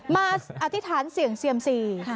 อธิษฐานเสี่ยงเซียมซี